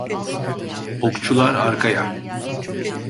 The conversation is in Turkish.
Okçular arkaya.